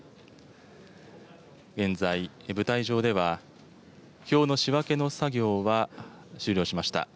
現在、舞台上では、票の仕分けの作業は終了しました。